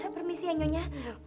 saya permisi ya nyonya